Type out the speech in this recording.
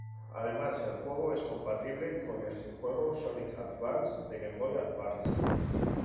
Además el juego es compatible con el juego Sonic Advance de Game Boy Advance.